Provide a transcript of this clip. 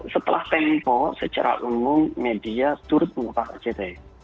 setelah tempo secara umum media turut mengubah act